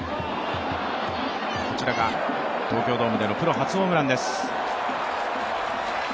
こちらが東京ドームでのプロ初ホームランです。